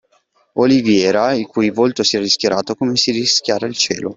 Oliveira, il cui volto si era rischiarato, come si rischiara il cielo